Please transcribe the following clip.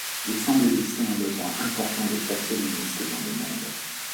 Il semble exister un besoin important de taxonomistes dans le monde.